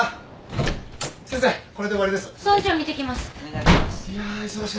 お願いします。